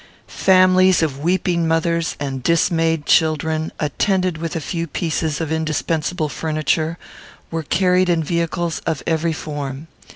Families of weeping mothers and dismayed children, attended with a few pieces of indispensable furniture, were carried in vehicles of every form.